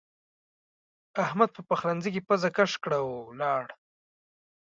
احمد په پخلنځ کې پزه کش کړه او ولاړ.